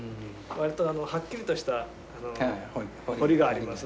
割とはっきりとした彫りがありますね。